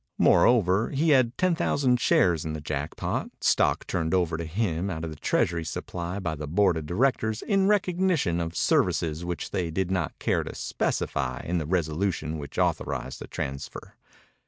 Moreover, he had ten thousand shares in the Jackpot, stock turned over to him out of the treasury supply by the board of directors in recognition of services which they did not care to specify in the resolution which authorized the transfer.